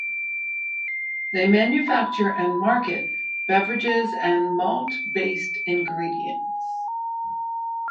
They manufacture and market beverages and malt-based ingredients.